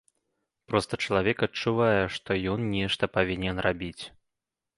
Проста чалавек адчувае, што ён нешта павінен рабіць.